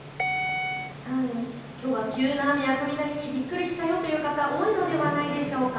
きょうは急な雨や雷にびっくりしたよという方、多いのではないでしょうか。